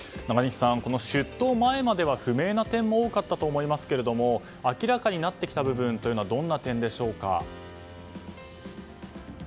出頭前までは、不明な点も多かったと思いますが明らかになってきた部分はどんな点でしょうか。